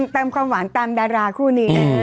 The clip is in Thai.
ตามความหวานตามดาราคู่นี้